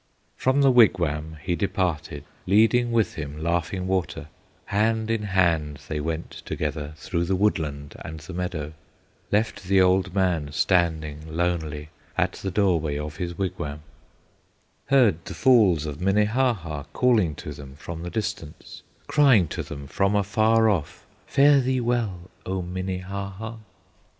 From the wigwam he departed, Leading with him Laughing Water; Hand in hand they went together, Through the woodland and the meadow, Left the old man standing lonely At the doorway of his wigwam, Heard the Falls of Minnehaha Calling to them from the distance, Crying to them from afar off, "Fare thee well, O Minnehaha!"